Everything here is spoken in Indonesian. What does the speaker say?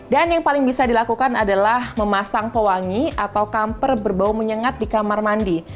yang paling bisa dilakukan adalah memasang pewangi atau kamper berbau menyengat di kamar mandi